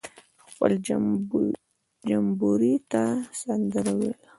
خپل جمبوري ته سندره ویله.